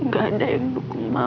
gak ada yang dukung mah